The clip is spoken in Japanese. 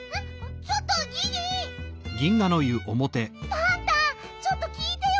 パンタちょっときいてよ。